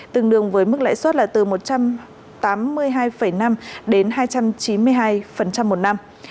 tương đương với mức lãi suất là từ một trăm tám mươi hai năm đến hai trăm chín mươi hai một năm